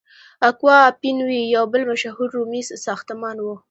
اکوا اپین وی یو بل مشهور رومي ساختمان و.